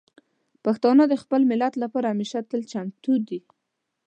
پښتانه د خپل ملت لپاره همیشه تل چمتو دي.